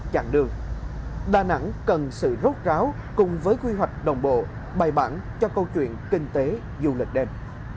chẳng cần sự rốt ráo cùng với quy hoạch đồng bộ bài bản cho câu chuyện kinh tế du lịch đêm